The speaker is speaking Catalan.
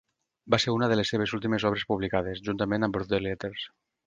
Va ser una de les seves últimes obres publicades juntament amb "Birthday Letters".